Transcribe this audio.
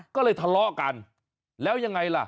ก็เลยทะเลาะกันแล้วยังไงล่ะ